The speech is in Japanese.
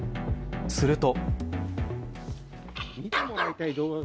すると。